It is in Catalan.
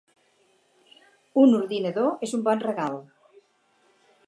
Un ordinador és un bon regal,